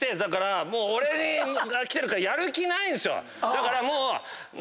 だからもう。